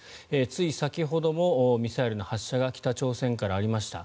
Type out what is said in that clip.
つい先ほどもミサイルの発射が北朝鮮からありました。